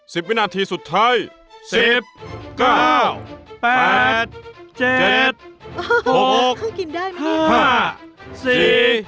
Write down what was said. สิบวินาทีสุดท้ายสิบเก้าแปดเจ็ดห้าห้าสี่